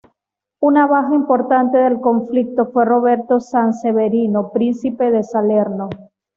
Una baja importante del conflicto fue Roberto Sanseverino, Príncipe de Salerno.